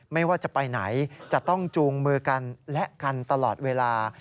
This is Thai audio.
ไม่ว่าจะไปไหนจะต้องจูงมือกันและกันตลอดเวลา